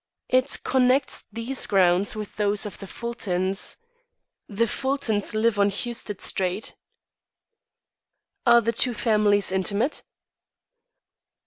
"It connects these grounds with those of the Fultons. The Fultons live on Huested Street." "Are the two families intimate?"